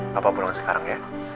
papa pulang sekarang ya